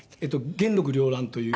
『元禄繚乱』という。